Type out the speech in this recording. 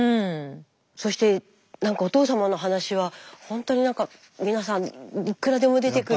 そしてなんかお父様の話はほんとになんか皆さんいくらでも出てくる。